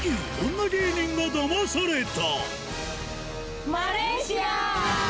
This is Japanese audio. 女芸人がダマされた。